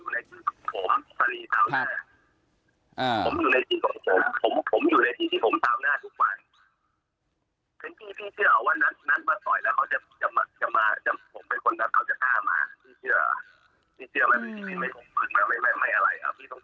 ไม่อะไรพี่ต้องฟังเหตุผลด้วย